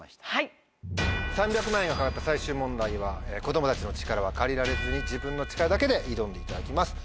３００万円が懸かった最終問題は子供たちの力は借りられずに自分の力だけで挑んでいただきます。